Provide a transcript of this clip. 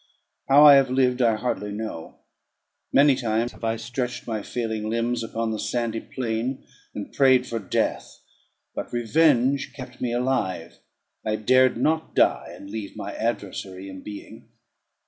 How I have lived I hardly know; many times have I stretched my failing limbs upon the sandy plain, and prayed for death. But revenge kept me alive; I dared not die, and leave my adversary in being.